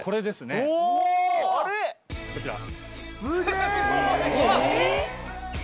こちら。